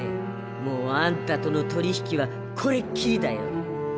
もうあんたとの取り引きはこれっきりだよ！